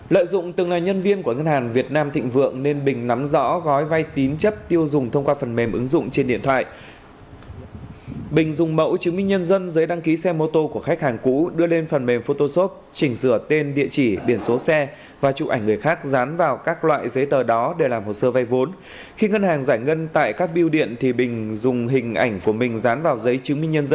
công an huyện tuy an vừa phối hợp cùng trung tâm an ninh của ngân hàng việt nam tịnh vượng tỉnh phú yên đã bắt quả tang đối tượng nguyễn xuân bình